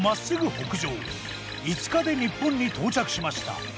５日で日本に到着しました。